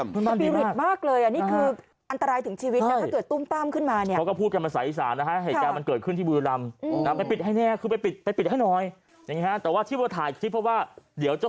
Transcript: มอมมันจะหมดแล้วอะฮะ